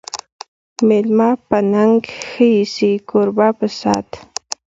مېلمه په ننګ ښه ایسي، کوربه په صت